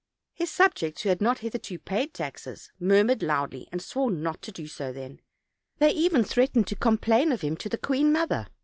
His subjects, who had not hitherto paid taxes, murmured loudly, and swore not to do so then; they even threatened to complain of him to the queen mother.